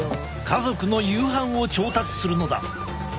家族の夕飯を調達するのだ。